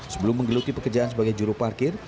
sebelum menggeluti pekerjaan sebagai juru parkir